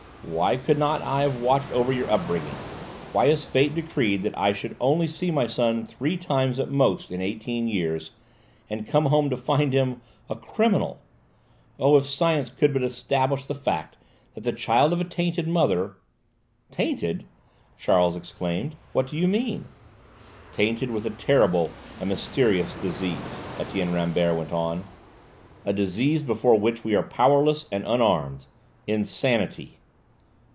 Why could not I have watched over your upbringing? Why has fate decreed that I should only see my son three times at most in eighteen years, and come home to find him a criminal? Oh, if science could but establish the fact that the child of a tainted mother " "Tainted?" Charles exclaimed; "what do you mean?" "Tainted with a terrible and mysterious disease," Etienne Rambert went on: "a disease before which we are powerless and unarmed insanity!"